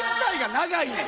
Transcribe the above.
長いねん！